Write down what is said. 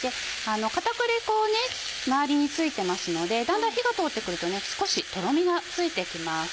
片栗粉周りに付いてますのでだんだん火が通ってくると少しトロミがついてきます。